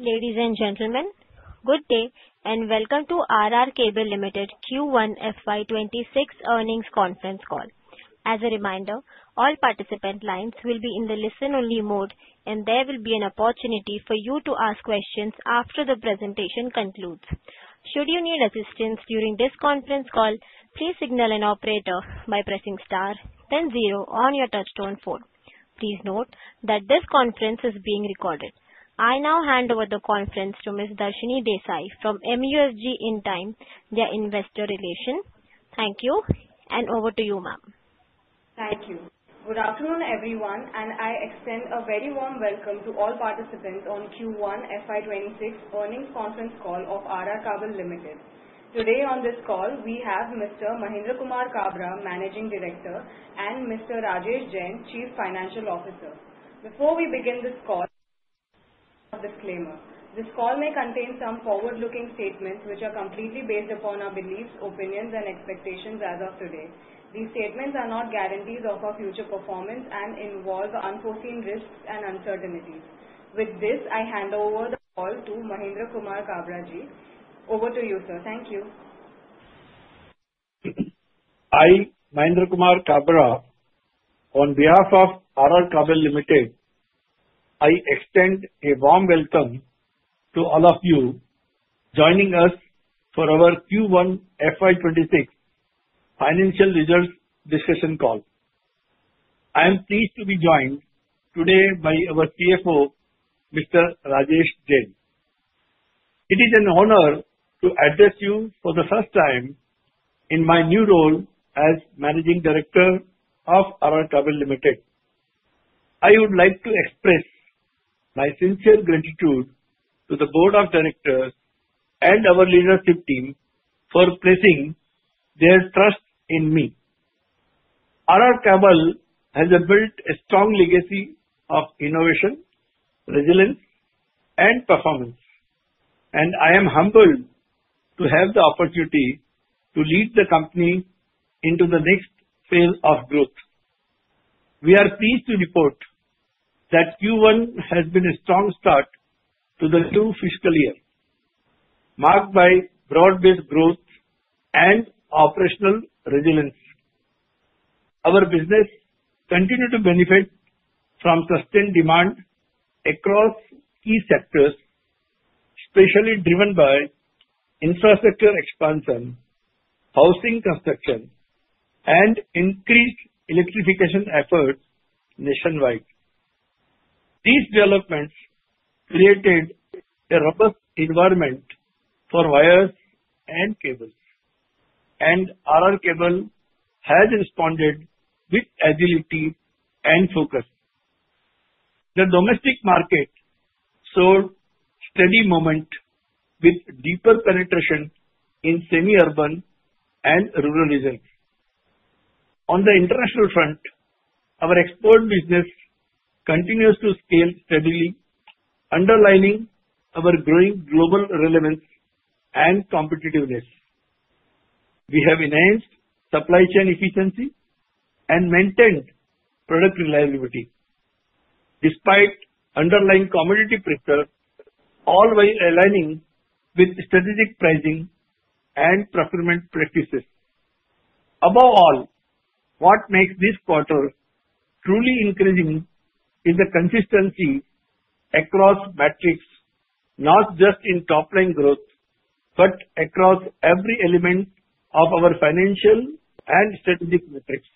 Ladies and gentlemen, good day and welcome to R R Kabel Limited Q1 FY 2026 Earnings Conference Call. As a reminder, all participant lines will be in the listen-only mode, and there will be an opportunity for you to ask questions after the presentation concludes. Should you need assistance during this conference call, please signal an operator by pressing star, then zero on your touch-tone phone. Please note that this conference is being recorded. I now hand over the conference to Ms. Darshini Desai from MUFG Intime, their investor relations. Thank you, and over to you, ma'am. Thank you. Good afternoon, everyone, and I extend a very warm welcome to all participants on Q1 FY2026 earnings conference call of R R Kabel Limited. Today on this call, we have Mr. Mahendra Kumar Kabra, Managing Director, and Mr. Rajesh Jain, Chief Financial Officer. Before we begin this call, a disclaimer: this call may contain some forward-looking statements which are completely based upon our beliefs, opinions, and expectations as of today. These statements are not guarantees of our future performance and involve unforeseen risks and uncertainties. With this, I hand over the call to Mahendra Kumar Kabra ji. Over to you, sir. Thank you. I, Mahendra Kumar Kabra, on behalf of R R Kabel Limited, extend a warm welcome to all of you joining us for our Q1 FY2026 financial results discussion call. I am pleased to be joined today by our CFO, Mr. Rajesh Jain. It is an honor to address you for the first time in my new role as Managing Director of R R Kabel Limited. I would like to express my sincere gratitude to the Board of Directors and our leadership team for placing their trust in me. R R Kabel has built a strong legacy of innovation, resilience, and performance, and I am humbled to have the opportunity to lead the company into the next phase of growth. We are pleased to report that Q1 has been a strong start to the new fiscal year, marked by broad-based growth and operational resilience. Our business continues to benefit from sustained demand across key sectors, especially driven by infrastructure expansion, housing construction, and increased electrification efforts nationwide. These developments created a robust environment for wires and cables, and R R Kabel has responded with agility and focus. The domestic market saw steady momentum with deeper penetration in semi-urban and rural regions. On the international front, our export business continues to scale steadily, underlining our growing global relevance and competitiveness. We have enhanced supply chain efficiency and maintained product reliability despite underlying commodity pressures, all while aligning with strategic pricing and procurement practices. Above all, what makes this quarter truly impressive is the consistency across metrics, not just in top-line growth, but across every element of our financial and strategic metrics.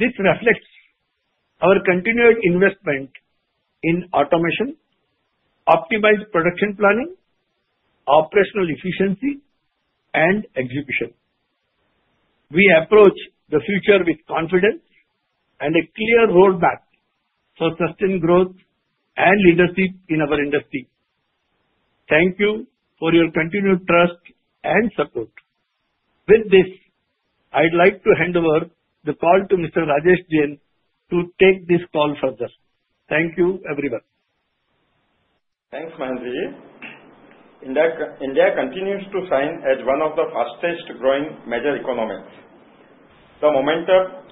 This reflects our continued investment in automation, optimized production planning, operational efficiency, and execution. We approach the future with confidence and a clear roadmap for sustained growth and leadership in our industry. Thank you for your continued trust and support. With this, I'd like to hand over the call to Mr. Rajesh Jain to take this call further. Thank you, everyone. Thanks, Mahendra ji. India continues to shine as one of the fastest-growing major economies. The momentum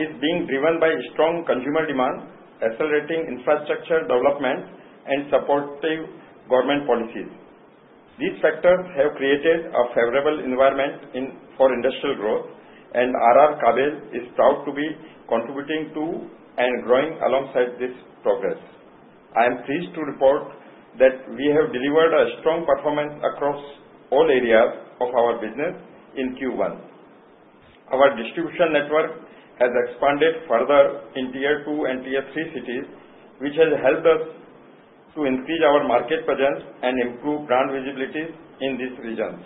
is being driven by strong consumer demand, accelerating infrastructure development, and supportive government policies. These factors have created a favorable environment for industrial growth, and R R Kabel is proud to be contributing to and growing alongside this progress. I am pleased to report that we have delivered a strong performance across all areas of our business in Q1. Our distribution network has expanded further in Tier 2 and Tier 3 cities, which has helped us to increase our market presence and improve brand visibility in these regions.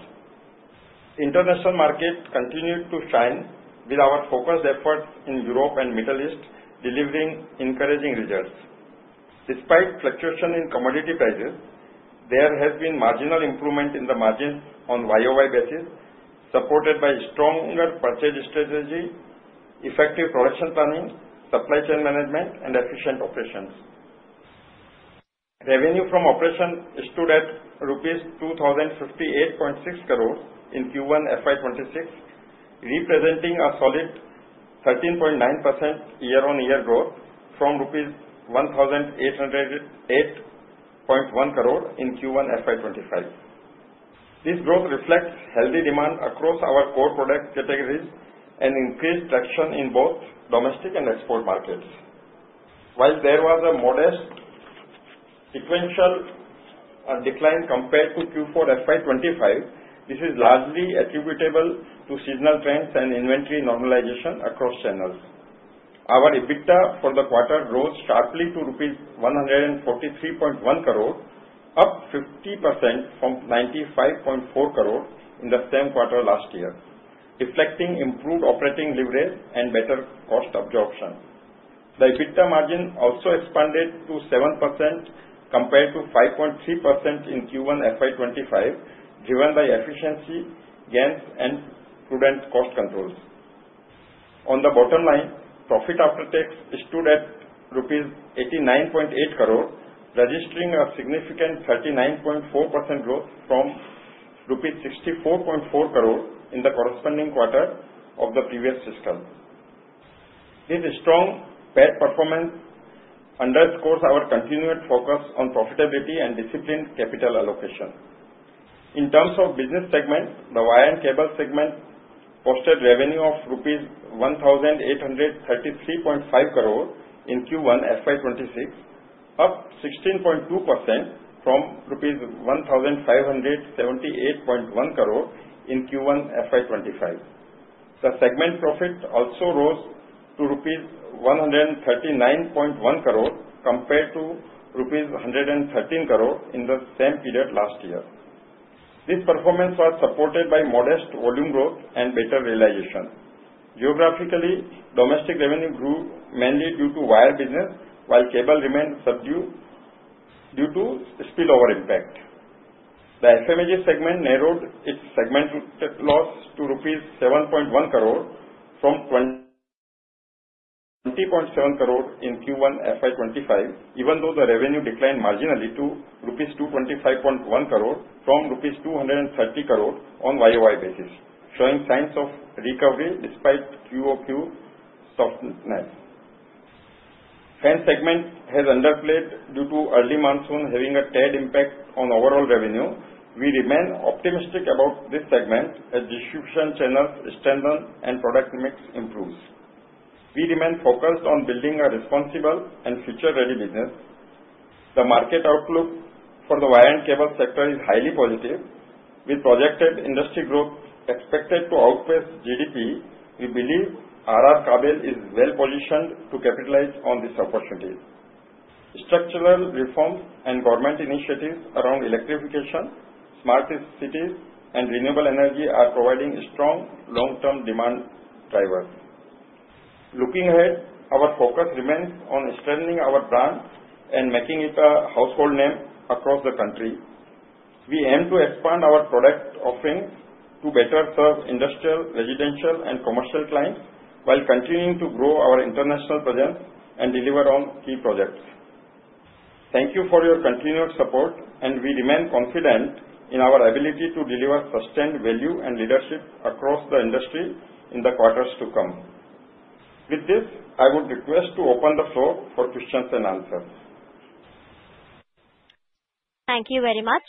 The international market continues to shine with our focused efforts in Europe and the Middle East, delivering encouraging results. Despite fluctuations in commodity prices, there has been marginal improvement in the margins on a YoY basis, supported by a stronger purchase strategy, effective production planning, supply chain management, and efficient operations. Revenue from operations stood at Rs 2,058.6 crore in Q1 FY2026, representing a solid 13.9% year-on-year growth from Rs 1,808.1 crore in Q1 FY2025. This growth reflects healthy demand across our core product categories and increased traction in both domestic and export markets. While there was a modest sequential decline compared to Q4 FY2025, this is largely attributable to seasonal trends and inventory normalization across channels. Our EBITDA for the quarter rose sharply to Rs 143.1 up 50% from 95.4 crore in the same quarter last year, reflecting improved operating leverage and better cost absorption. The EBITDA margin also expanded to 7% compared to 5.3% in Q1 FY2025, driven by efficiency gains and prudent cost controls. On the bottom line, profit after tax stood at rupees 89.8 registering a significant 39.4% growth from 64.4 crore in the corresponding quarter of the previous fiscal. This strong PAT performance underscores our continued focus on profitability and disciplined capital allocation. In terms of business segments, the wire and cable segment posted revenue of INR 1,833.5 in Q1 FY2026, up 16.2% from 1,578.1 crore in Q1 FY2025. The segment profit also rose to rupees 139.1 compared to 113 crore in the same period last year. This performance was supported by modest volume growth and better realization. Geographically, domestic revenue grew mainly due to wire business, while cable remained subdued due to spillover impact. The FMEG segment narrowed its segment loss to rupees 7.1 from 20.7 crore in Q1 FY2025, even though the revenue declined marginally to 225.1 rupees from 230 crore on a YoY basis, showing signs of recovery despite QOQ softness. Fans segment has underperformed due to early monsoon having an adverse impact on overall revenue. We remain optimistic about this segment as distribution channels strengthen and product mix improves. We remain focused on building a responsible and future-ready business. The market outlook for the wire and cable sector is highly positive. With projected industry growth expected to outpace GDP, we believe R R Kabel is well-positioned to capitalize on this opportunity. Structural reforms and government initiatives around electrification, smart cities, and renewable energy are providing strong long-term demand drivers. Looking ahead, our focus remains on strengthening our brand and making it a household name across the country. We aim to expand our product offerings to better serve industrial, residential, and commercial clients while continuing to grow our international presence and deliver on key projects. Thank you for your continued support, and we remain confident in our ability to deliver sustained value and leadership across the industry in the quarters to come. With this, I would request to open the floor for questions and answers. Thank you very much.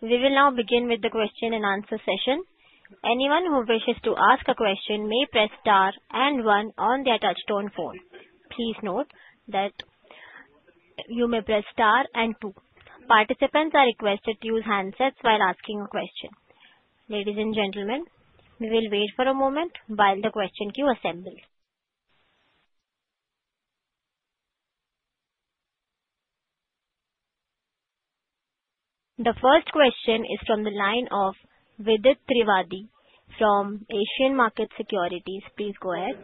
We will now begin with the question and answer session. Anyone who wishes to ask a question may press star and one on the touchstone phone. Please note that you may press star and two. Participants are requested to use handsets while asking a question. Ladies and gentlemen, we will wait for a moment while the question queue assembles. The first question is from the line of Vidit Shah from Asian Markets Securities. Please go ahead.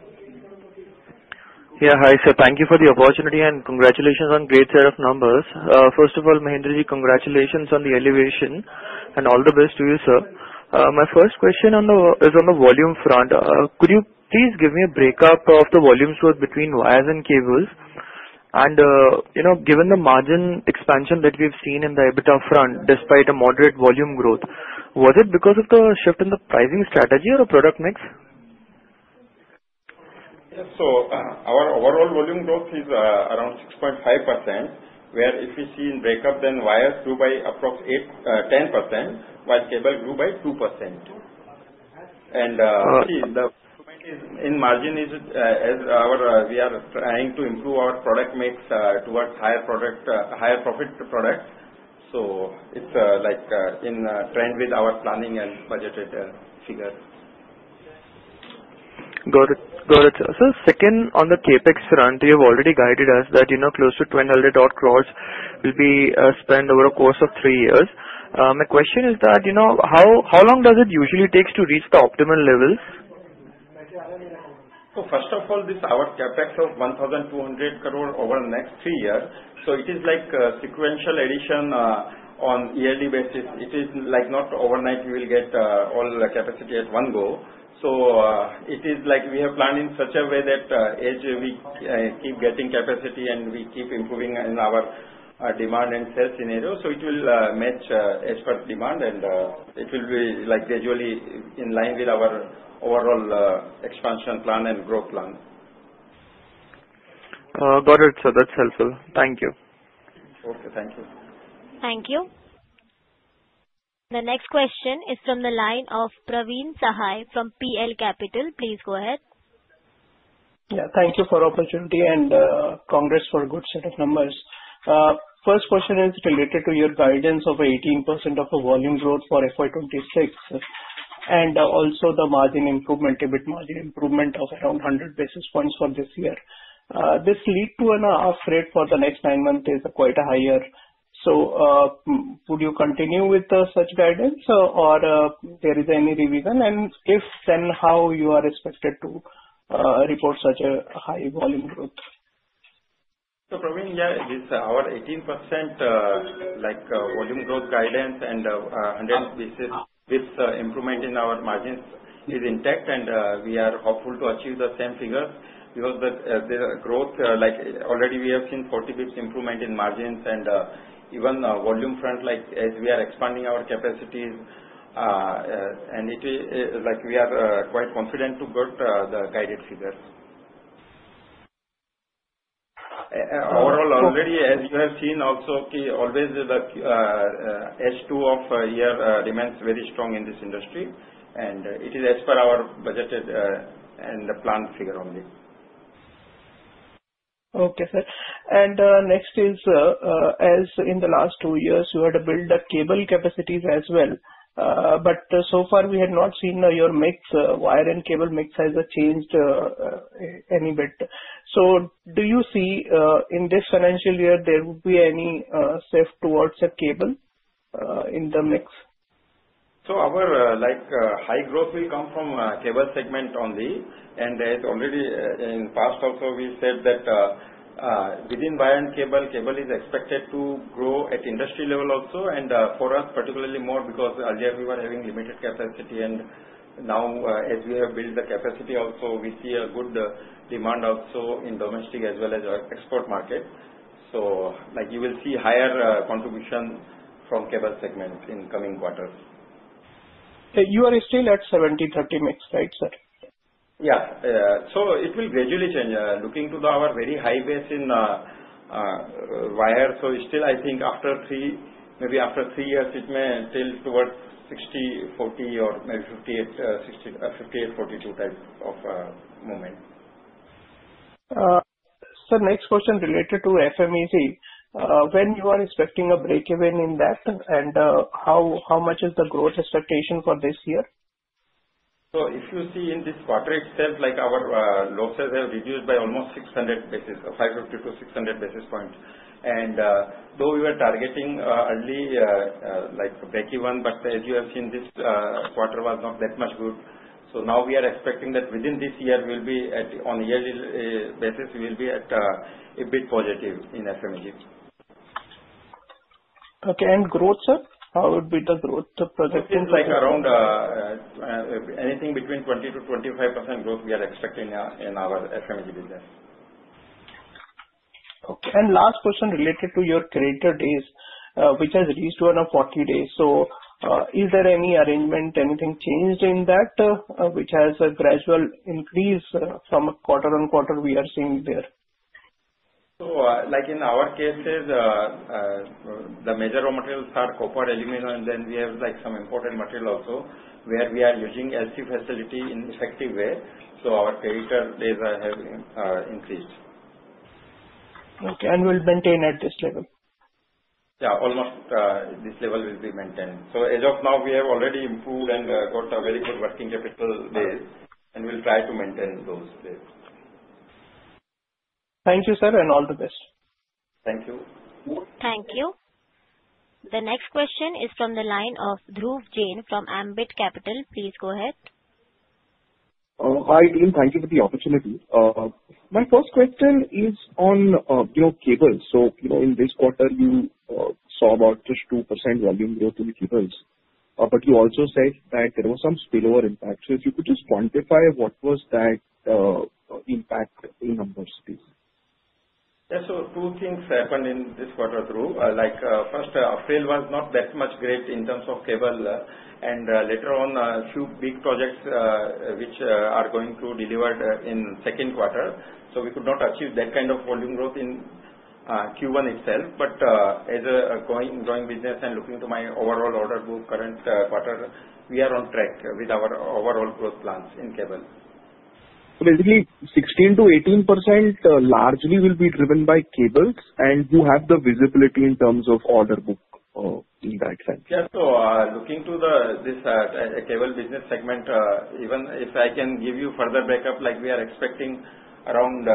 Yeah, hi. Sir, thank you for the opportunity and congratulations on a great set of numbers. First of all, Mahendra ji, congratulations on the elevation and all the best to you, sir. My first question is on the volume front. Could you please give me a break-up of the volume growth between wires and cables? And given the margin expansion that we've seen in the EBITDA front despite a moderate volume growth, was it because of the shift in the pricing strategy or product mix? Yes. So, our overall volume growth is around 6.5%, where if we see in breakup, then wires grew by approximately 10%, while cable grew by 2%, and the margin is, as we are trying to improve our product mix towards higher profit products, so it's in trend with our planning and budgeted figure. Got it. Got it, sir. Sir, second, on the CapEx front, you've already guided us that close to 1,200 crores will be spent over a course of three years. My question is that how long does it usually take to reach the optimal levels? So, first of all, this is our CapEx of 1,200 crore over the next three years. So, it is like a sequential addition on a yearly basis. It is not overnight we will get all the capacity at one go. So, it is like we are planning such a way that as we keep getting capacity and we keep improving in our demand and sales scenario, so it will match as per demand, and it will be gradually in line with our overall expansion plan and growth plan. Got it, sir. That's helpful. Thank you. Okay. Thank you. Thank you. The next question is from the line of Praveen Sahay from PL Capital. Please go ahead. Yeah. Thank you for the opportunity, and congrats for a good set of numbers. First question is related to your guidance of 18% of the volume growth for FY2026 and also the margin improvement, EBIT margin improvement of around 100 basis points for this year. This lead to an upgrade for the next nine months is quite a higher. So, would you continue with such guidance, or there is any revision? And if so, how are you expected to report such a high volume growth? So, Praveen, yeah, our 18% volume growth guidance and 100 basis points improvement in our margins is intact, and we are hopeful to achieve the same figures because the growth, already we have seen 40 basis points improvement in margins and even volume front as we are expanding our capacities, and we are quite confident to get the guided figures. Overall, already, as you have seen also, always H2 of year remains very strong in this industry, and it is as per our budgeted and planned figure only. Okay, sir. And next is, as in the last two years, you had to build up cable capacities as well. But so far, we had not seen your mix wire and cable mix has changed any bit. So, do you see in this financial year there will be any shift towards a cable in the mix? So, our high growth will come from cable segment only. And as already in the past, also, we said that within wire and cable, cable is expected to grow at industry level also, and for us particularly more because earlier we were having limited capacity. And now, as we have built the capacity also, we see a good demand also in domestic as well as export market. So, you will see higher contribution from cable segment in coming quarters. Sir, you are still at 70/30 mix, right, sir? Yeah. So, it will gradually change. Looking to our very high base in wire, so still, I think after three, maybe after three years, it may tilt towards 60/40 or maybe 58/42 type of movement. Sir, next question related to FMEG. When you are expecting a breakeven in that, and how much is the growth expectation for this year? If you see in this quarter itself, our losses have reduced by almost 600 basis points, 550-600 basis points. Though we were targeting early breakeven, but as you have seen, this quarter was not that good. Now we are expecting that within this year, on a yearly basis, we will be a bit positive in FMEG. Okay. And growth, sir? How would be the growth projected? I think around anything between 20%-25% growth we are expecting in our FMEG business. Okay. And last question related to your creditor days, which has reached 140 days. So, is there any arrangement, anything changed in that which has a gradual increase from quarter on quarter we are seeing there? So, in our cases, the major raw materials are copper, aluminum, and then we have some imported material also where we are using LC facility in an effective way. So, our creditor days have increased. Okay. And will maintain at this level? Yeah. Almost this level will be maintained. So, as of now, we have already improved and got a very good working capital base, and we'll try to maintain those days. Thank you, sir, and all the best. Thank you. Thank you. The next question is from the line of Dhruv Jain from Ambit Capital. Please go ahead. Hi, Dhruv. Thank you for the opportunity. My first question is on cables, so in this quarter, you saw about just 2% volume growth in cables, but you also said that there was some spillover impact, so if you could just quantify what was that impact in numbers, please. Yeah. So, two things happened in this quarter, Dhruv. First, our sales was not that much great in terms of cable. And later on, a few big projects which are going to be delivered in Q2. So, we could not achieve that kind of volume growth in Q1 itself. But as a growing business and looking to my overall order book current quarter, we are on track with our overall growth plans in cable. So, basically, 16%-18% largely will be driven by cables, and you have the visibility in terms of order book in that sense. Yeah, so looking to this cable business segment, even if I can give you further backup, we are expecting around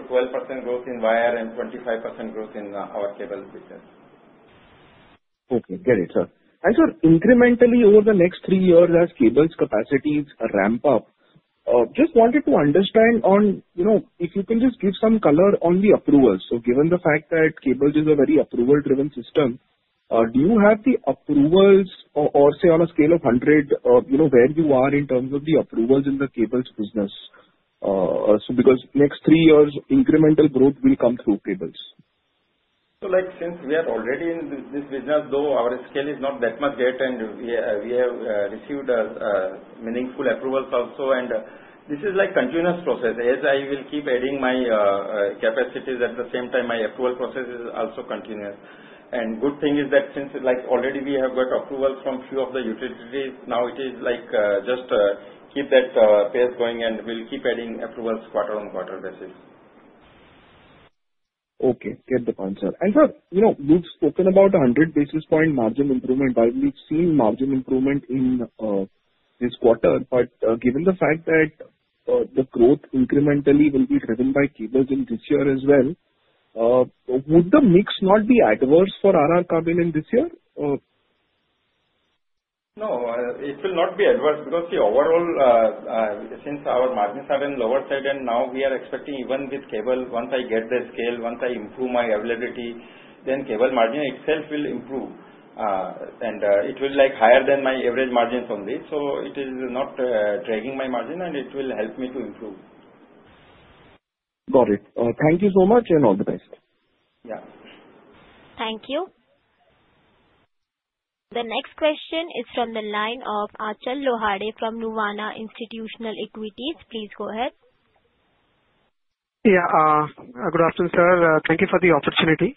10%-12% growth in wire and 25% growth in our cable business. Okay. Got it, sir. And, sir, incrementally over the next three years, as cables capacities ramp up, just wanted to understand on if you can just give some color on the approvals. So, given the fact that cables is a very approval-driven system, do you have the approvals or, say, on a scale of 100, where you are in terms of the approvals in the cables business? Because next three years, incremental growth will come through cables. So, since we are already in this business, though, our scale is not that much great, and we have received meaningful approvals also. And this is a continuous process. As I will keep adding my capacities, at the same time, my approval process is also continuous. And the good thing is that since already we have got approvals from a few of the utilities, now it is like just keep that pace going, and we'll keep adding approvals quarter on quarter basis. Okay. Get the punch out. And, sir, we've spoken about a 100 basis points margin improvement. We've seen margin improvement in this quarter. But given the fact that the growth incrementally will be driven by cables in this year as well, would the mix not be adverse for R R Kabel in this year? No. It will not be adverse because the overall, since our margins are on the lower side, and now we are expecting even with cable, once I get the scale, once I improve my availability, then cable margin itself will improve. And it will be higher than my average margins only. So, it is not dragging my margin, and it will help me to improve. Got it. Thank you so much and all the best. Yeah. Thank you. The next question is from the line of Achal Lohade from Nuvama Institutional Equities. Please go ahead. Yeah. Good afternoon, sir. Thank you for the opportunity.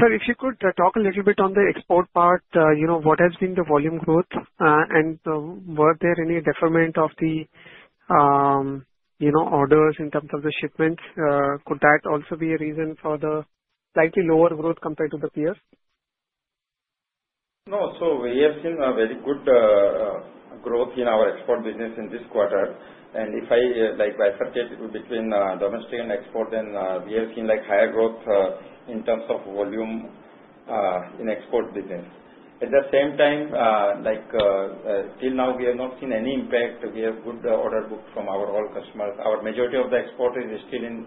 Sir, if you could talk a little bit on the export part, what has been the volume growth, and was there any deferment of the orders in terms of the shipments? Could that also be a reason for the slightly lower growth compared to the peers? No. So, we have seen a very good growth in our export business in this quarter. And if I bifurcate between domestic and export, then we have seen higher growth in terms of volume in export business. At the same time, till now, we have not seen any impact. We have good order books from our all customers. Our majority of the export is still in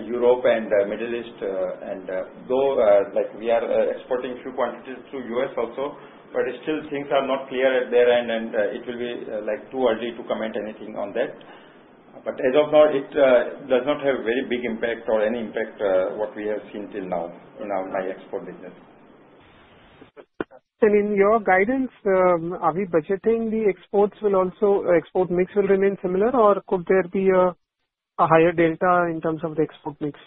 Europe and the Middle East. And though we are exporting a few quantities to the U.S. also, but still things are not clear at their end, and it will be too early to comment on anything on that. But as of now, it does not have a very big impact or any impact what we have seen till now in our export business. In your guidance, are we budgeting the exports will also export mix will remain similar, or could there be a higher delta in terms of the export mix?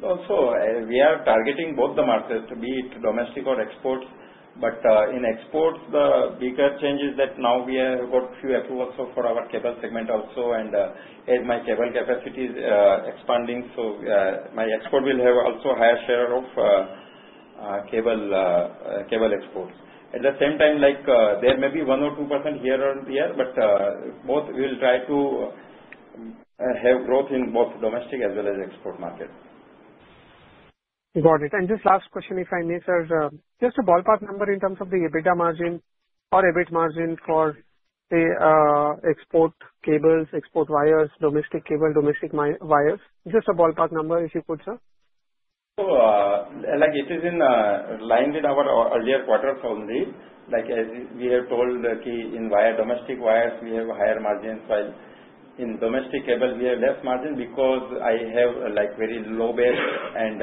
So, we are targeting both the markets, be it domestic or export. But in export, the bigger change is that now we have got a few approvals for our cable segment also. And as my cable capacity is expanding, so my export will have also a higher share of cable exports. At the same time, there may be one or two percent here or there, but both we will try to have growth in both domestic as well as export market. Got it. And just last question, if I may, sir, just a ballpark number in terms of the EBITDA margin or EBIT margin for export cables, export wires, domestic cable, domestic wires. Just a ballpark number, if you could, sir. So, it is in line with our earlier quarter only. As we have told in wire, domestic wires, we have a higher margin, while in domestic cable, we have less margin because I have a very low base and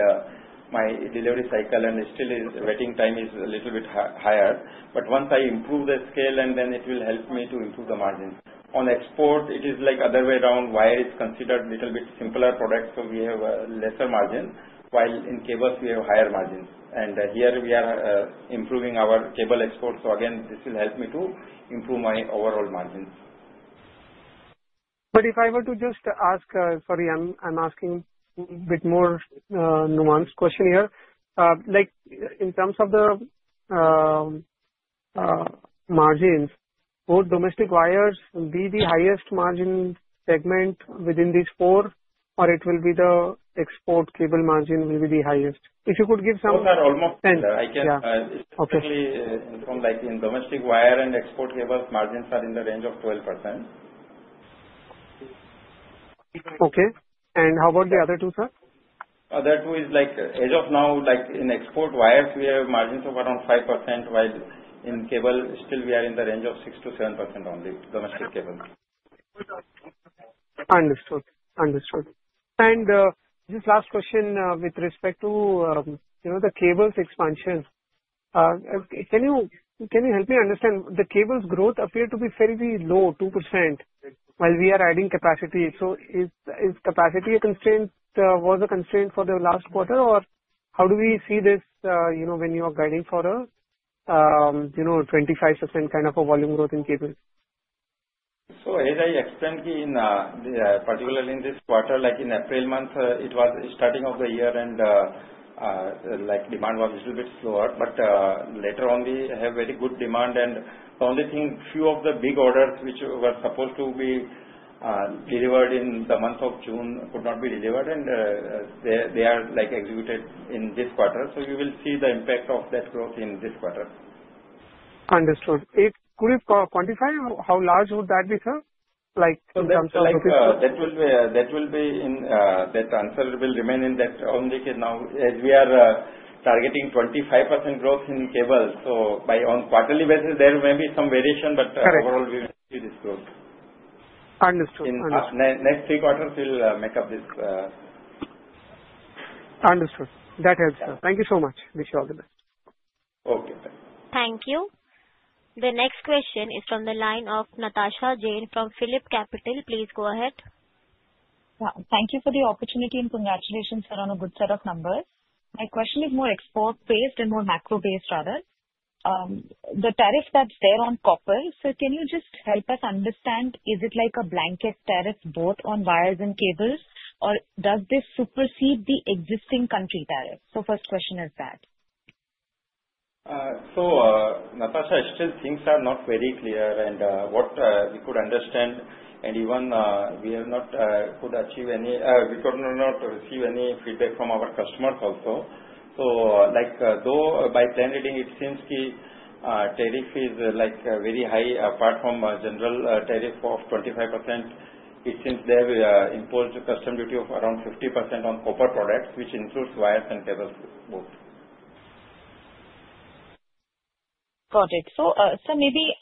my delivery cycle and still waiting time is a little bit higher. But once I improve the scale, then it will help me to improve the margin. On export, it is other way around. Wire is considered a little bit simpler product, so we have lesser margin, while in cables, we have higher margin. And here, we are improving our cable export. So, again, this will help me to improve my overall margins. But if I were to just ask, sorry, I'm asking a bit more nuanced question here, in terms of the margins, would domestic wires be the highest margin segment within these four, or will the export cable margin be the highest? If you could give some sense. So, sir, almost. I can say from domestic wire and export cables, margins are in the range of 12%. Okay. And how about the other two, sir? Other two is as of now, in export wires, we have margins of around 5%, while in cable, still we are in the range of 6%-7% only, domestic cable. Understood. And just last question with respect to the cables expansion. Can you help me understand? The cables growth appeared to be fairly low, 2%, while we are adding capacity. So, was capacity a constraint for the last quarter, or how do we see this when you are guiding for a 25% kind of volume growth in cables? So, as I explained to you, particularly in this quarter, in April month, it was the starting of the year, and demand was a little bit slower. But later on, we have very good demand. And the only thing, a few of the big orders which were supposed to be delivered in the month of June could not be delivered, and they are executed in this quarter. So, you will see the impact of that growth in this quarter. Understood. Could you quantify how large would that be, sir, in terms of? So, that will be in that. Answer will remain in that only. Now, as we are targeting 25% growth in cables, so on quarterly basis, there may be some variation, but overall, we will see this growth. Understood. Next three quarters will make up this. Understood. That helps, sir. Thank you so much. Wish you all the best. Okay. Bye. Thank you. The next question is from the line of Natasha Jain from PhillipCapital. Please go ahead. Yeah. Thank you for the opportunity and congratulations, sir, on a good set of numbers. My question is more export-based and more macro-based rather. The tariff that's there on copper, sir, can you just help us understand? Is it like a blanket tariff both on wires and cables, or does this supersede the existing country tariff? So, first question is that. So, Natasha, still things are not very clear, and what we could understand, and even we could not receive any feedback from our customers also. So, though by plain reading, it seems the tariff is very high, apart from a general tariff of 25%. It seems they have imposed a customs duty of around 50% on copper products, which includes wires and cables both. Got it. So, sir, maybe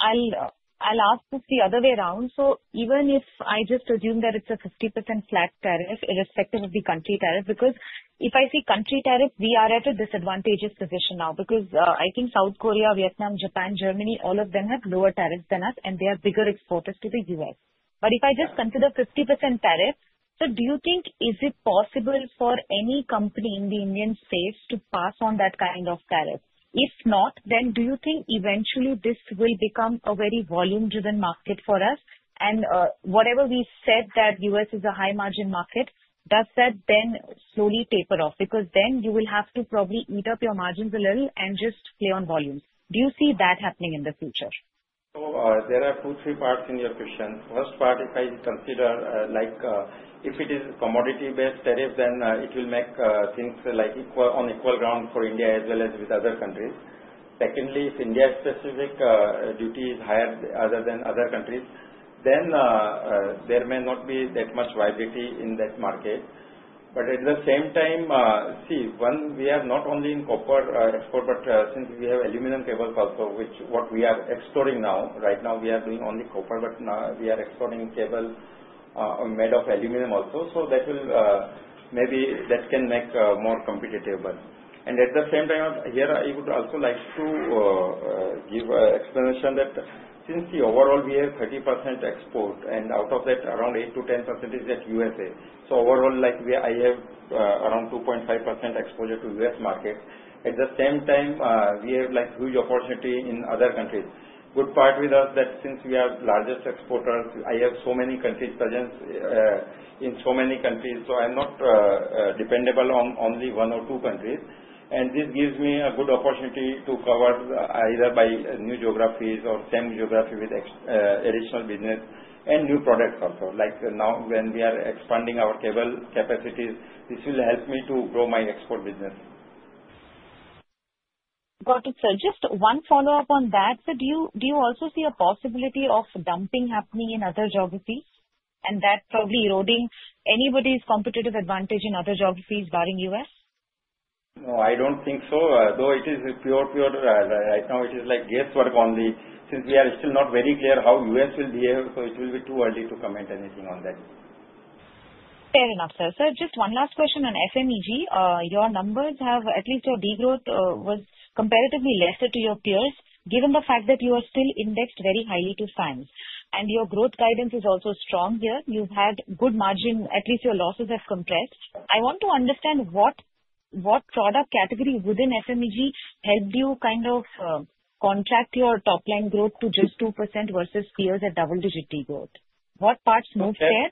I'll ask this the other way around. So, even if I just assume that it's a 50% flat tariff irrespective of the country tariff, because if I see country tariff, we are at a disadvantageous position now because I think South Korea, Vietnam, Japan, Germany, all of them have lower tariffs than us, and they are bigger exporters to the U.S.. But if I just consider 50% tariff, sir, do you think is it possible for any company in the Indian space to pass on that kind of tariff? If not, then do you think eventually this will become a very volume-driven market for us? And whatever we said that the U.S. is a high-margin market, does that then slowly taper off? Because then you will have to probably eat up your margins a little and just play on volume. Do you see that happening in the future? So, there are two, three parts in your question. First part, if I consider if it is a commodity-based tariff, then it will make things on equal ground for India as well as with other countries. Secondly, if India-specific duty is higher than other countries, then there may not be that much viability in that market. But at the same time, see, we are not only in copper export, but since we have aluminum cables also, which what we are exporting now, right now, we are doing only copper, but we are exporting cable made of aluminum also. So, maybe that can make more competitive. And at the same time, here, I would also like to give an explanation that since the overall, we have 30% export, and out of that, around 8%-10% is at USA. So, overall, I have around 2.5% exposure to U.S. market. At the same time, we have huge opportunity in other countries. Good part with us that since we are the largest exporters, I have so many countries' presence in so many countries. So, I'm not dependable on only one or two countries. And this gives me a good opportunity to cover either by new geographies or same geography with additional business and new products also. Now, when we are expanding our cable capacities, this will help me to grow my export business. Got it, sir. Just one follow-up on that. Sir, do you also see a possibility of dumping happening in other geographies and that probably eroding anybody's competitive advantage in other geographies barring the U.S.? No, I don't think so. Though it is pure right now, it is like guesswork only since we are still not very clear how the U.S. will behave. So, it will be too early to comment on anything on that. Fair enough, sir. Sir, just one last question on FMEG. Your numbers have, at least your degrowth was comparatively lesser to your peers, given the fact that you are still indexed very highly to Fans. And your growth guidance is also strong here. You've had good margin. At least your losses have compressed. I want to understand what product category within FMEG helped you kind of contract your top-line growth to just 2% versus peers at double-digit degrowth. What parts moved there?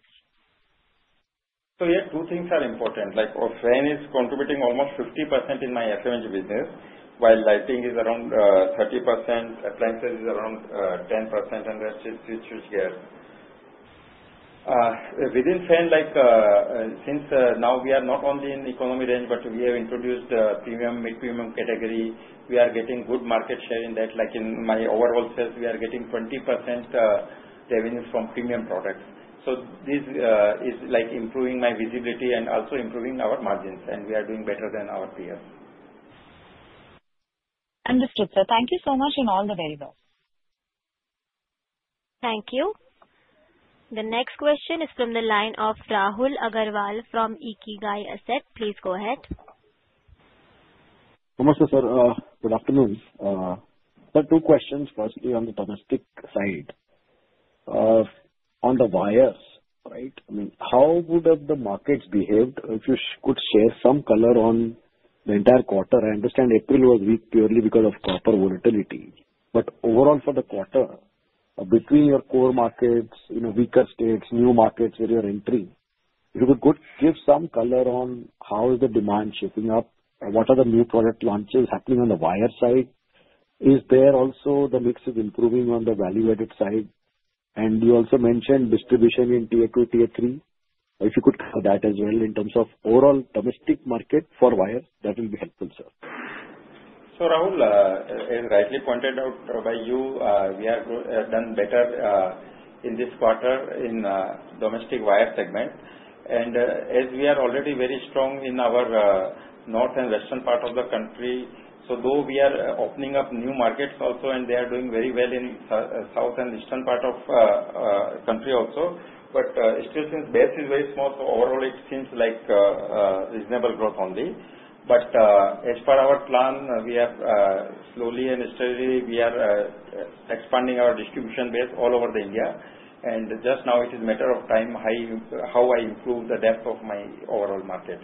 Yes, two things are important. FAN is contributing almost 50% in my FMEG business, while lighting is around 30%, appliances is around 10%, and that switchgear. Within FAN, since now we are not only in economy range, but we have introduced premium, mid-premium category, we are getting good market share in that. In my overall sales, we are getting 20% revenue from premium products. This is improving my visibility and also improving our margins, and we are doing better than our peers. Understood, sir. Thank you so much and all the very best. Thank you. The next question is from the line of Rahul Agarwal from InCred Asset Management. Please go ahead. Namaste, sir, good afternoon. Sir, two questions, firstly on the domestic side. On the wires, right, how would the markets behave if you could share some color on the entire quarter? I understand April was weak purely because of copper volatility. But overall, for the quarter, between your core markets, weaker states, new markets where you're entering, if you could give some color on how is the demand shaping up, what are the new product launches happening on the wire side? Is there also the mix of improving on the value-added side? And you also mentioned distribution in Tier 2, Tier 3. If you could cover that as well in terms of overall domestic market for wires, that will be helpful, sir. So, Rahul, as rightly pointed out by you, we have done better in this quarter in the domestic wire segment, and as we are already very strong in our north and western part of the country, so though we are opening up new markets also, and they are doing very well in the south and eastern part of the country also, but still since base is very small, so overall, it seems like reasonable growth only, but as per our plan, slowly and steadily, we are expanding our distribution base all over India, and just now, it is a matter of time how I improve the depth of my overall market.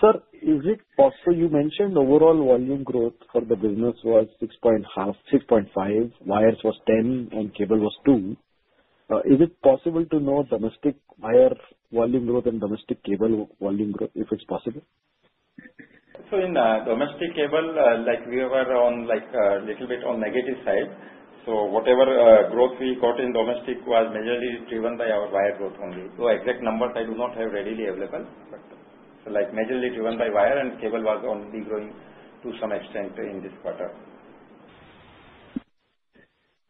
Sir, is it possible you mentioned overall volume growth for the business was 6.5, wires was 10, and cable was two? Is it possible to know domestic wire volume growth and domestic cable volume growth if it's possible? In domestic cable, we were a little bit on the negative side. Whatever growth we got in domestic was majorly driven by our wire growth only. Exact numbers I do not have readily available, but majorly driven by wire and cable was only growing to some extent in this quarter.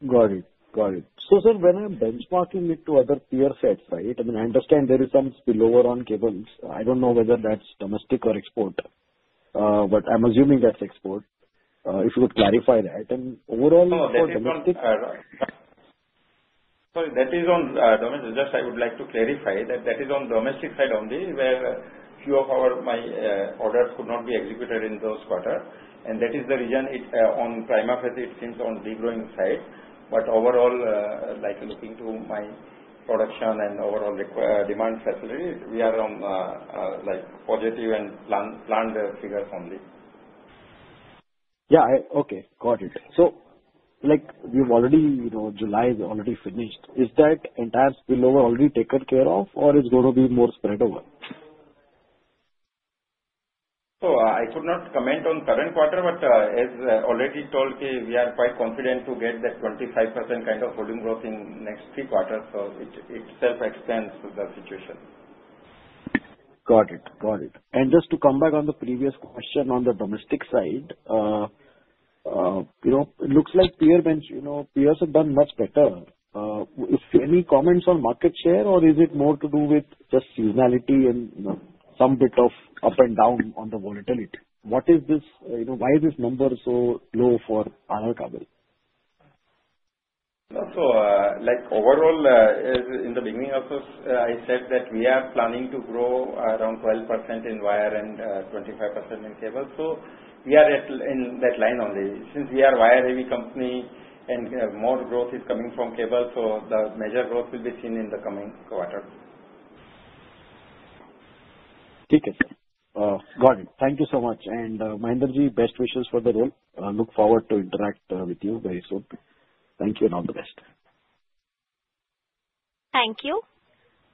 Got it. Got it. So, sir, when I'm benchmarking it to other peer sets, right, I mean, I understand there is some lower on cables. I don't know whether that's domestic or export, but I'm assuming that's export. If you could clarify that. And overall. Oh, that is on domestic. Sorry, that is on domestic. Just, I would like to clarify that that is on domestic side only, where a few of my orders could not be executed in those quarters. And that is the reason on top of it, it seems on de-growing side. But overall, looking to my production and overall demand facility, we are on positive and planned figures only. Yeah. Okay. Got it. So, July is already finished. Is that entire spillover already taken care of, or it's going to be more spread over? So, I could not comment on current quarter, but as already told, we are quite confident to get that 25% kind of volume growth in next three quarters. So, it self-expands the situation. Got it. Got it. And just to come back on the previous question on the domestic side, it looks like peers have done much better. Any comments on market share, or is it more to do with just seasonality and some bit of up and down on the volatility? What is this? Why is this number so low for R R Kabel? Overall, in the beginning, of course, I said that we are planning to grow around 12% in wire and 25% in cable. So, we are in that line only. Since we are a wire-heavy company and more growth is coming from cable, so the major growth will be seen in the coming quarter. Ticket. Got it. Thank you so much, and Mahendra ji, best wishes for the role. Look forward to interacting with you very soon. Thank you and all the best. Thank you.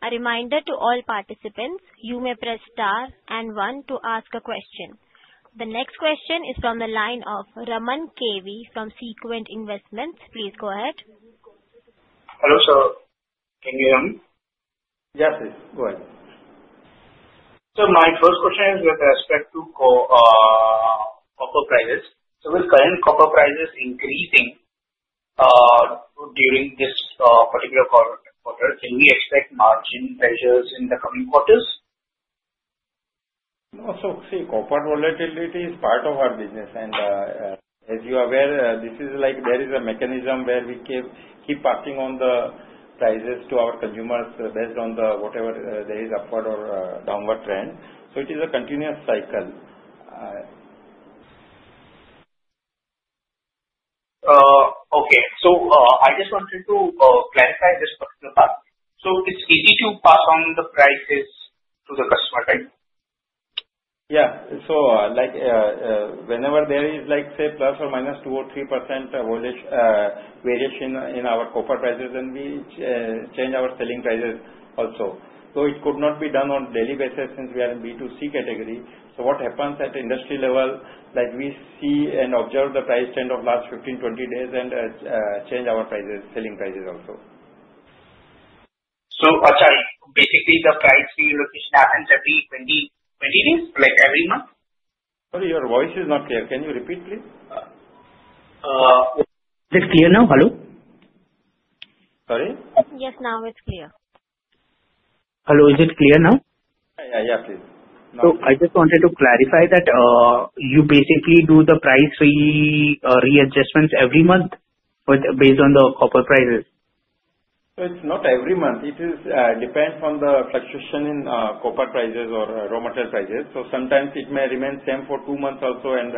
A reminder to all participants, you may press star and one to ask a question. The next question is from the line of Raman Kavi from Sequent Investments. Please go ahead. Hello, sir. Can you hear me? Yes, sir. Go ahead. Sir, my first question is with respect to copper prices. So, with current copper prices increasing during this particular quarter, can we expect margin measures in the coming quarters? No, sir. See, copper volatility is part of our business, and as you are aware, this is like there is a mechanism where we keep passing on the prices to our consumers based on whatever there is upward or downward trend, so it is a continuous cycle. Okay. So, I just wanted to clarify this particular part. So, it's easy to pass on the prices to the customer, right? Yeah. So, whenever there is, say, plus or -2% or 3% variation in our copper prices, then we change our selling prices also. Though it could not be done on a daily basis since we are in B2C category, so what happens at industry level, we see and observe the price trend of last 15, 20 days and change our selling prices also. Sorry. Basically, the price relocation happens every 20 days? Every month? Sir, your voice is not clear. Can you repeat, please? Is it clear now? Hello? Sorry? Yes, now it's clear. Hello. Is it clear now? Yeah, yeah, please. I just wanted to clarify that you basically do the price readjustments every month based on the copper prices? So, it's not every month. It depends on the fluctuation in copper prices or raw material prices. So, sometimes it may remain the same for two months also, and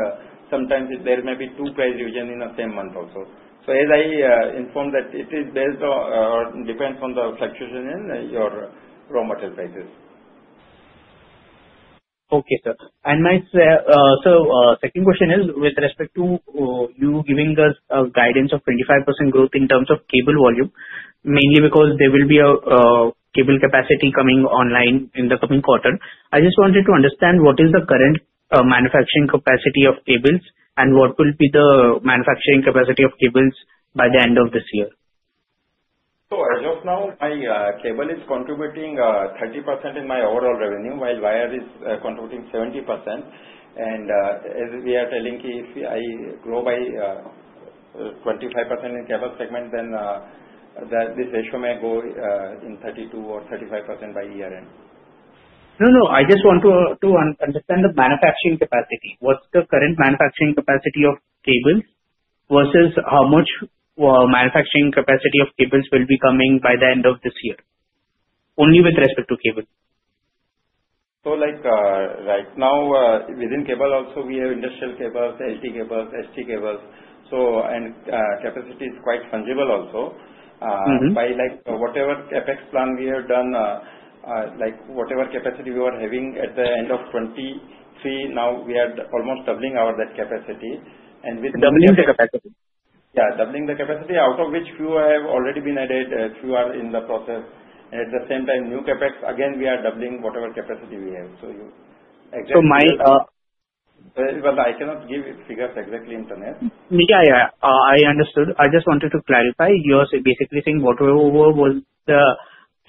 sometimes there may be two price revisions in the same month also. So, as I informed that it is based or depends on the fluctuation in your raw material prices. Okay, sir. And my second question is with respect to you giving us guidance of 25% growth in terms of cable volume, mainly because there will be a cable capacity coming online in the coming quarter. I just wanted to understand what is the current manufacturing capacity of cables and what will be the manufacturing capacity of cables by the end of this year? So, as of now, my cable is contributing 30% in my overall revenue, while wire is contributing 70%. And as we are telling, if I grow by 25% in cable segment, then this ratio may go in 32% or 35% by year-end. No, no. I just want to understand the manufacturing capacity. What's the current manufacturing capacity of cables versus how much manufacturing capacity of cables will be coming by the end of this year? Only with respect to cables. Right now, within cable also, we have industrial cables, LT cables, HT cables. Capacity is quite fungible also. By whatever CapEx plan we have done, whatever capacity we were having at the end of 2023, now we are almost doubling our capacity. And with. Doubling the capacity? Yeah, doubling the capacity, out of which few have already been added, few are in the process. And at the same time, new CapEx, again, we are doubling whatever capacity we have. So you exactly. So, my. I cannot give figures exactly, Raman. Yeah, yeah. I understood. I just wanted to clarify. You're basically saying whatever was the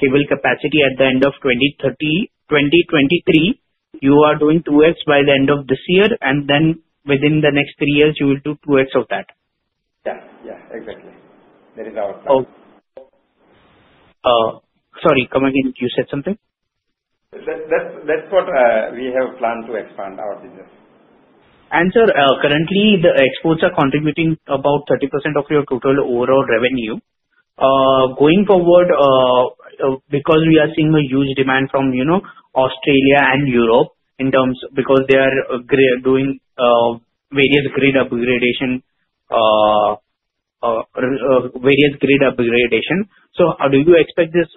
cable capacity at the end of 2023, you are doing 2X by the end of this year, and then within the next three years, you will do 2X of that. Yeah. Yeah, exactly. That is our plan. Oh. Sorry, come again. You said something? That's what we have planned to expand our business. Sir, currently, the exports are contributing about 30% of your total overall revenue. Going forward, because we are seeing a huge demand from Australia and Europe in terms because they are doing various grid upgradation. Do you expect this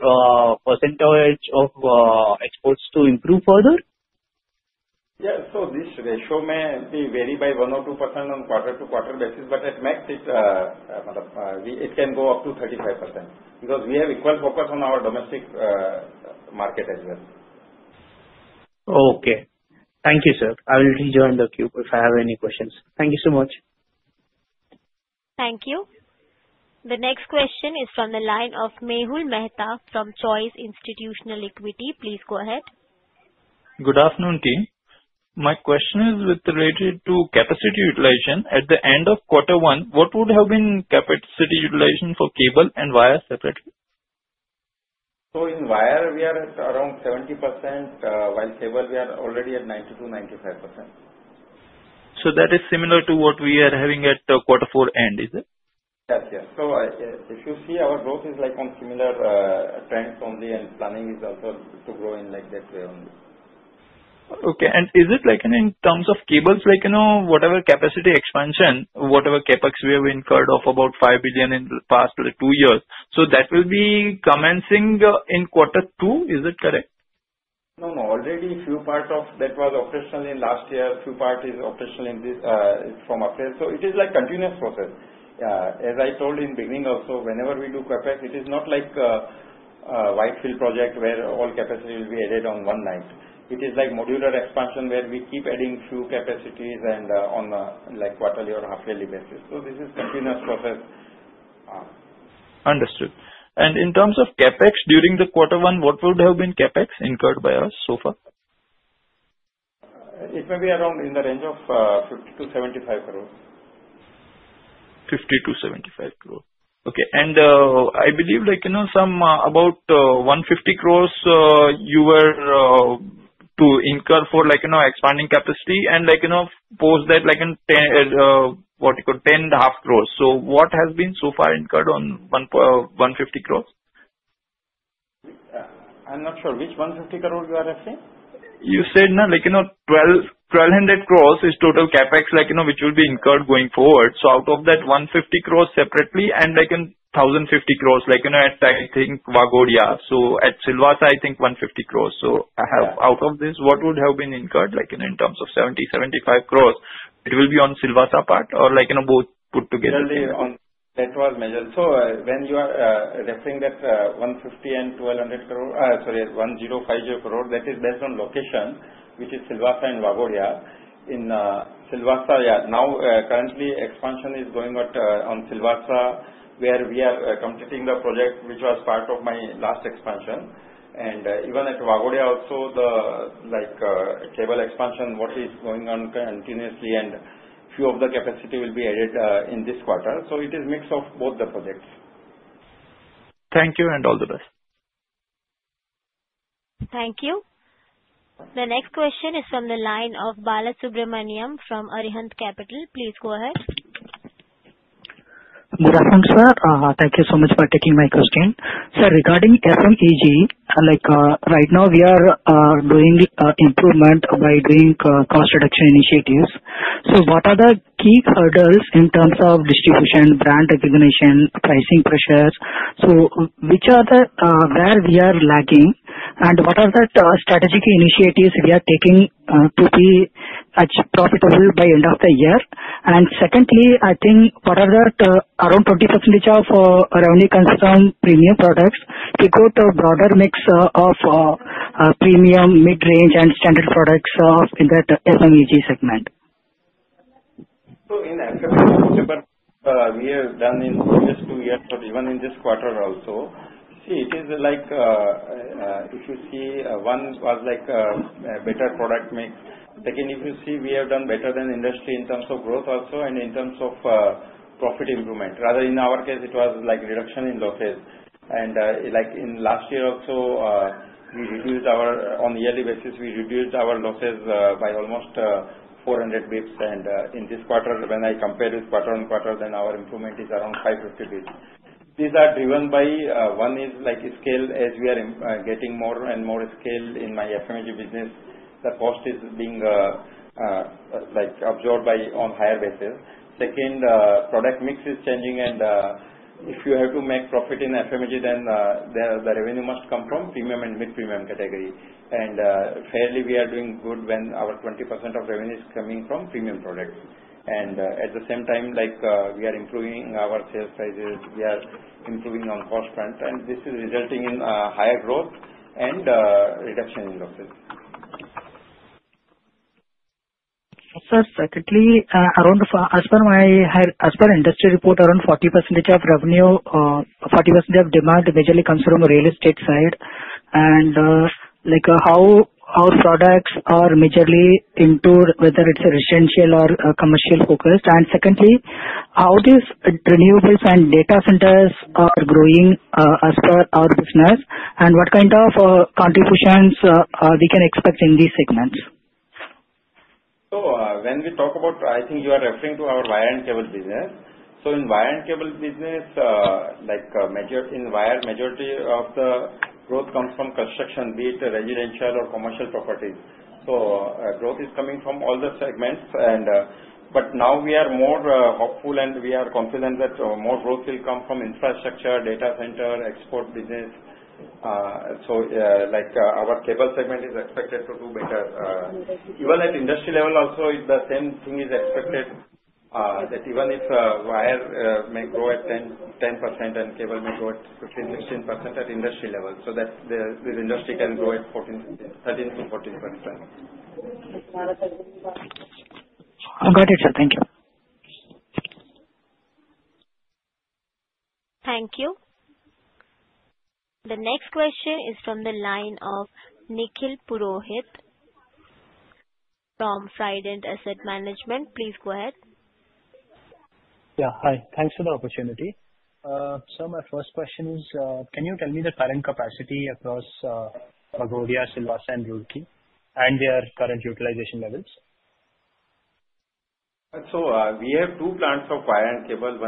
percentage of exports to improve further? This ratio may vary by 1% or 2% on quarter-to-quarter basis, but at max, it can go up to 35% because we have equal focus on our domestic market as well. Okay. Thank you, sir. I will rejoin the queue if I have any questions. Thank you so much. Thank you. The next question is from the line of Mehul Mehta from Choice Institutional Equities. Please go ahead. Good afternoon, team. My question is with regard to capacity utilization. At the end of quarter one, what would have been capacity utilization for cable and wire separately? In wire, we are at around 70%, while cable, we are already at 90%-95%. So, that is similar to what we are having at Q4 end, is it? Yes, yes, so if you see, our growth is on similar trends only, and planning is also to grow in that way only. Okay. And is it in terms of cables, whatever capacity expansion, whatever CapEx we have incurred of about 5 billion in the past two years, so that will be commencing in Q2, is it correct? No, no. Already, a few parts of that was operational in last year. A few part is operational from up there. So, it is a continuous process. As I told in the beginning also, whenever we do CapEx, it is not like a greenfield project where all capacity will be added on one night. It is like modular expansion where we keep adding few capacities on a quarterly or half-yearly basis. So, this is a continuous process. Understood. And in terms of CapEx, during Q1, what would have been CapEx incurred by us so far? It may be around in the range of 50 to 75 crores. 50 to 75 crore. Okay. And I believe about 150 crore you were to incur for expanding capacity and post that in what you call 10.5 crore. So, what has been so far incurred on 150 crore? I'm not sure. Which 150 crores you are referring? You said 1,200 crores is total CapEx which will be incurred going forward. So, out of that 150 crores separately and 1,050 crores at, I think, Waghodia. So, at Silvassa, I think 150 crores. So, out of this, what would have been incurred in terms of 70, 75 crores? It will be on Silvassa part or both put together? That was measured. So, when you are referring that 150 and 1,200 crore, sorry, 105 crore, that is based on location, which is Silvassa and Waghodia. In Silvassa, yeah. Now, currently, expansion is going on in Silvassa, where we are completing the project, which was part of my last expansion. And even at Waghodia also, the cable expansion, what is going on continuously, and few of the capacity will be added in this quarter. So, it is a mix of both the projects. Thank you and all the best. Thank you. The next question is from the line of Balasubramaniam from Arihant Capital. Please go ahead. Managing sir, thank you so much for taking my question. Sir, regarding FMEG, right now, we are doing improvement by doing cost reduction initiatives. So, what are the key hurdles in terms of distribution, brand recognition, pricing pressures? So, which are the where we are lagging, and what are the strategic initiatives we are taking to be profitable by end of the year? And secondly, I think around 20% of revenue comes from premium products to go to a broader mix of premium, mid-range, and standard products in that FMEG segment? So, in the FMEG, we have done in the previous two years or even in this quarter also, see, it is like if you see, one was like a better product mix. Second, if you see, we have done better than industry in terms of growth also and in terms of profit improvement. Rather, in our case, it was like reduction in losses. And in last year also, we reduced our on a yearly basis, we reduced our losses by almost 400 basis points. And in this quarter, when I compare with quarter on quarter, then our improvement is around 550 basis points. These are driven by one is scale as we are getting more and more scale in my FMEG business, the cost is being absorbed on a higher basis. Second, product mix is changing, and if you have to make profit in FMEG, then the revenue must come from premium and mid-premium category. And fairly, we are doing good when our 20% of revenue is coming from premium products. And at the same time, we are improving our sales prices. We are improving on cost front, and this is resulting in higher growth and reduction in losses. Sir, secondly, as per my industry report, around 40% of revenue, 40% of demand majorly comes from the real estate side. And how our products are majorly into whether it's a residential or commercial focus. And secondly, how these renewables and data centers are growing as per our business, and what kind of contributions we can expect in these segments? When we talk about, I think you are referring to our wire and cable business. In wire and cable business, in wire, the majority of the growth comes from construction, be it residential or commercial properties. Growth is coming from all the segments. Now, we are more hopeful and we are confident that more growth will come from infrastructure, data center, export business. Our cable segment is expected to do better. Even at industry level also, the same thing is expected that even if wire may grow at 10% and cable may grow at 15%-16% at industry level so that the industry can grow at 13%-14%. I've got it, sir. Thank you. Thank you. The next question is from the line of Nikhil Purohit from InvesQ Investment Advisors. Please go ahead. Yeah. Hi. Thanks for the opportunity. Sir, my first question is, can you tell me the current capacity across Waghodia, Silvassa, and Roorkee and their current utilization levels? We have two plants of wire and cable.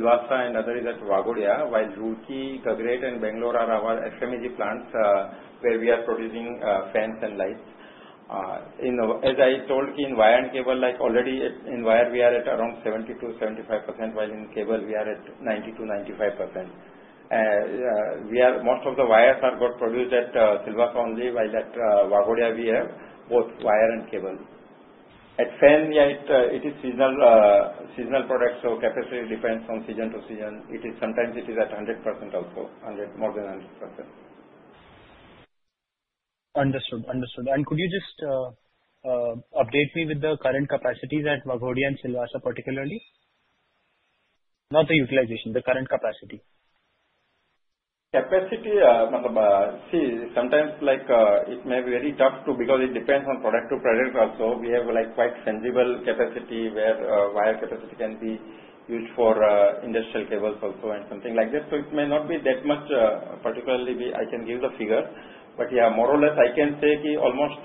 One is at Silvassa and the other is at Waghodia, while Roorkee, Gagret, and Bengaluru are our FMEG plants where we are producing fans and lights. As I told in wire and cable, already in wire, we are at around 70%-75%, while in cable, we are at 90%-95%. Most of the wires are produced at Silvassa only, while at Waghodia, we have both wire and cable. At fans, it is seasonal product, so capacity depends on season to season. Sometimes it is at 100% also, more than 100%. Understood. Understood. And could you just update me with the current capacities at Waghodia and Silvassa particularly? Not the utilization, the current capacity. Capacity, see, sometimes it may be very tough because it depends on product to product also. We have quite sensible capacity where wire capacity can be used for industrial cables also and something like that. So, it may not be that much, particularly I can give the figure. But yeah, more or less, I can say almost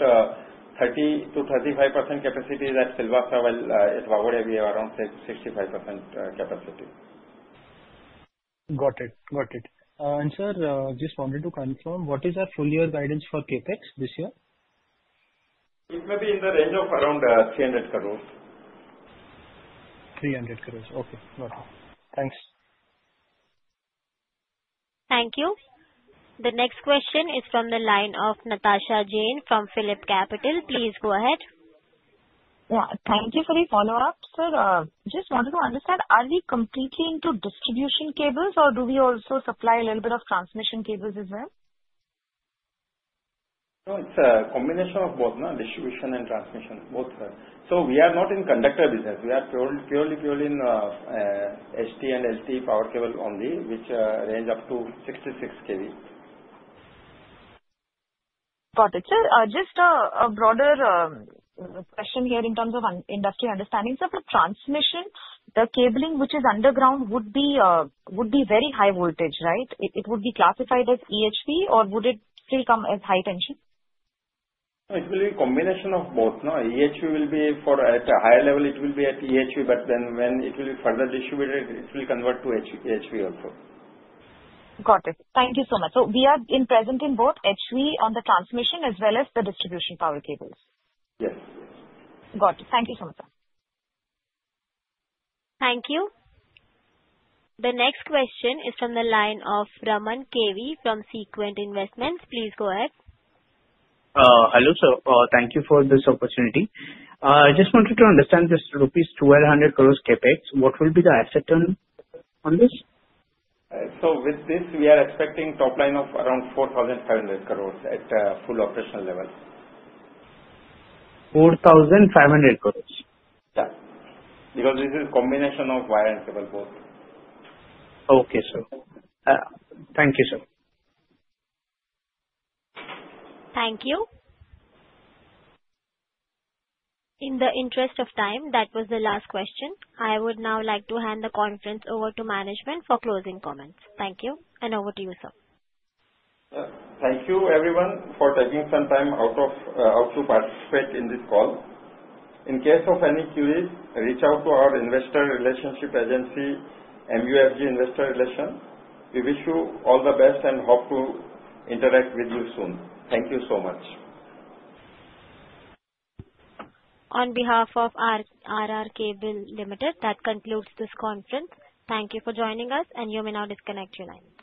30%-35% capacity is at Silvassa, while at Waghodia, we have around 65% capacity. Got it. Got it. And sir, just wanted to confirm, what is our full year guidance for CapEx this year? It may be in the range of around 300 crores. 300 crore. Okay. Got it. Thanks. Thank you. The next question is from the line of Natasha Jain from PhillipCapital. Please go ahead. Yeah. Thank you for the follow-up, sir. Just wanted to understand, are we completely into distribution cables, or do we also supply a little bit of transmission cables as well? No, it's a combination of both, distribution and transmission, both. So, we are not in conductors business. We are purely in ST and LT power cables only, which range up to 66kV. Got it. Sir, just a broader question here in terms of industry understanding. Sir, for transmission, the cabling which is underground would be very high voltage, right? It would be classified as EHV, or would it still come as high tension? It will be a combination of both. EHV will be at a higher level, it will be at EHV, but then when it will be further distributed, it will convert to EHV also. Got it. Thank you so much. We are present in both HV on the transmission as well as the distribution power cables? Yes. Got it. Thank you so much, sir. Thank you. The next question is from the line of Raman Kavi from Sequent Investments. Please go ahead. Hello, sir. Thank you for this opportunity. I just wanted to understand this rupees 1,200 crores CapEx, what will be the asset on this? With this, we are expecting top line of around 4,500 crores at full operational level. 4,500 crores? Yeah. Because this is a combination of wire and cable both. Okay, sir. Thank you, sir. Thank you. In the interest of time, that was the last question. I would now like to hand the conference over to management for closing comments. Thank you. And over to you, sir. Thank you, everyone, for taking some time out to participate in this call. In case of any queries, reach out to our investor relations agency, MUFG Investor Relations. We wish you all the best and hope to interact with you soon. Thank you so much. On behalf of R R Kabel Limited, that concludes this conference. Thank you for joining us, and you may now disconnect your line.